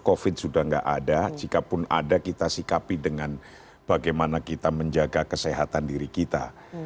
covid sudah tidak ada jikapun ada kita sikapi dengan bagaimana kita menjaga kesehatan diri kita